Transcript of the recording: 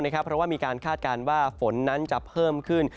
เพราะว่ามีการคาดการณ์ว่าฝนนั้นจะเพิ่มขึ้น